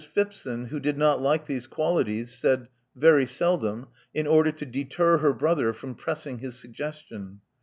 Phipson, who did not like these qualities, said '*Very seldom, in order to deter her brother from pressing his suggestion.